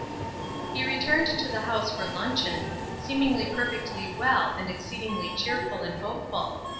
He returned to the house for luncheon, seemingly perfectly well and exceedingly cheerful and hopeful.